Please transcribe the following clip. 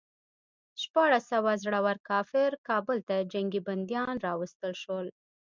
شپاړس سوه زړه ور کافر کابل ته جنګي بندیان راوستل شول.